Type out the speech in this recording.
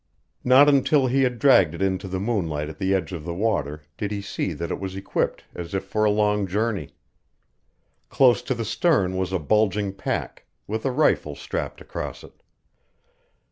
Not until he had dragged it into the moonlight at the edge of the water did he see that it was equipped as if for a long journey. Close to the stern was a bulging pack, with a rifle strapped across it.